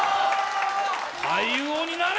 俳優王になれ！